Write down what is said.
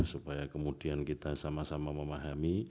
supaya kemudian kita sama sama memahami